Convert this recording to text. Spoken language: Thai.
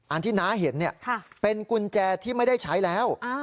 อันที่น้าเห็นเป็นกุญแจที่ไม่ได้ใช้แล้ว